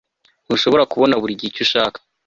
ntushobora kubona buri gihe icyo ushaka